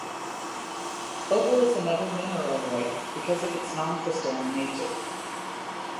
Opal is another mineraloid because of its non-crystalline nature.